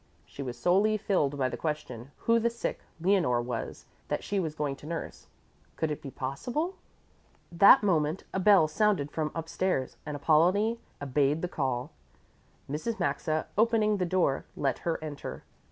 She was solely filled by the question who the sick Leonore was that she was going to nurse. Could it be possible? That moment a bell sounded from upstairs, and Apollonie obeyed the call. Mrs. Maxa, opening the door, let her enter.